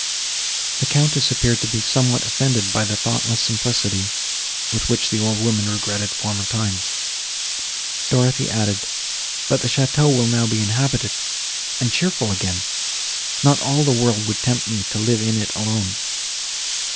The Countess appearing to be somewhat offended by the thoughtless simplicity, with which the old woman regretted former times, Dorothée added—"But the château will now be inhabited, and cheerful again; not all the world could tempt me to live in it alone."